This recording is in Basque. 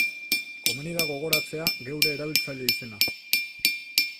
Komeni da gogoratzea geure erabiltzaile izena.